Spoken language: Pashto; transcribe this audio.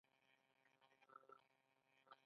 د وروڼو دغه ډله ژر پیاوړې شوه.